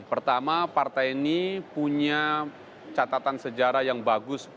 pertama partai ini punya catatan sejarah yang bagus